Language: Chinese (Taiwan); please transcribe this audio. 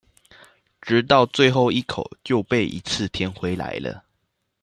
直到最後一口就被一次甜回來了